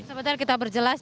sama sama kita berjelas